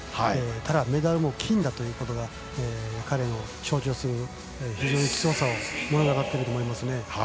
そのメダルも金だということが彼を象徴する非常に強さを物語っていると思います。